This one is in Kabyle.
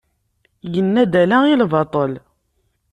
Yenna-d ala i lbaṭel.